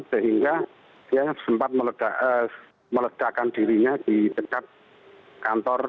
sehingga dia sempat meledakan dirinya di dekat kantor